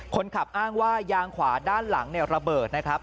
คนขับอ้างว่ายางขวาด้านหลังระเบิดนะครับ